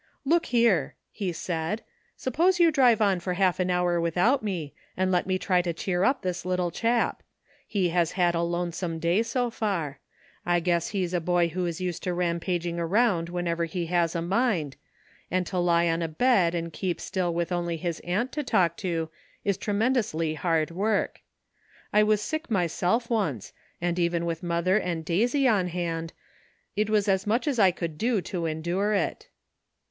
''Look here," he said, "suppose you drive on for half an hour without me, and let me try to cheer up this little chap? He has had a lonesome day so far. I guess he's a boy who is used to rampaging around wherever he has a ''luck:' 331 mind, and to lie on a bed and keep still with only his aunt to talk to is treinendously hard work. I was sick myself once, and even with mother and Daisy on hand it was as much as I could do to endure it."